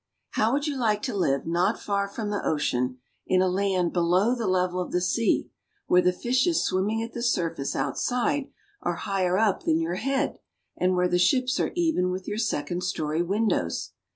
HOW would you like to live not far from the ocean, in a land below the level of the sea, where the fishes swimming at the surface outside are higher up than your head, and where the ships are even with your second story windows